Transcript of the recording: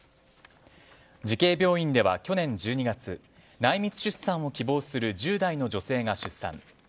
慈恵病院では去年１２月内密出産を希望する１０代の女性が出産。